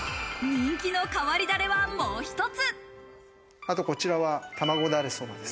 人気のかわりダレは、もう一つ。